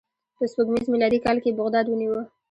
په سپوږمیز میلادي کال یې بغداد ونیو.